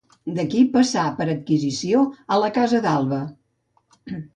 D'aquí passà per adquisició a la casa d'Alba.